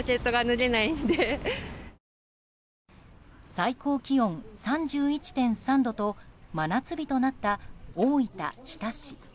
最高気温３１．３度と真夏日となった大分・日田市。